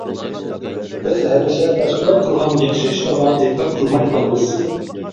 بىز ھەمىشە باشقىلار قىلغان ياخشى ئىشلارغا دىققەت قىلماي قالىمىز.